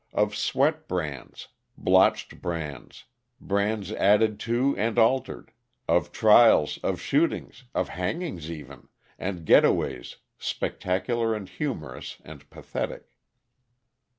Of "sweat" brands, blotched brands, brands added to and altered, of trials, of shootings, of hangings, even, and "getaways" spectacular and humorous and pathetic.